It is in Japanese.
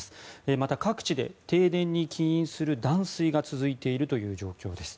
また、各地で停電に起因する断水が続いているという状況です。